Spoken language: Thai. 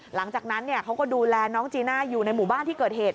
หลังจากนั้นเขาก็ดูแลน้องจีน่าอยู่ในหมู่บ้านที่เกิดเหตุ